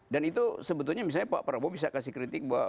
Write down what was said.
dan itu sebetulnya misalnya pak prabowo bisa kasih kritik bahwa